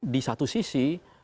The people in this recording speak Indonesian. di satu sisi